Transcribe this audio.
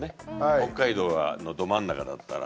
北海道のど真ん中だったら。